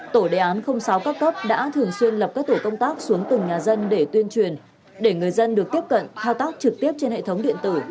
tổ đề án sáu các cấp đã thường xuyên lập các tổ công tác xuống từng nhà dân để tuyên truyền để người dân được tiếp cận thao tác trực tiếp trên hệ thống điện tử